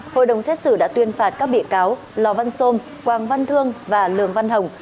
hội đồng xét xử đã tuyên phạt các bị cáo lò văn sôm quang văn thương và lường văn hồng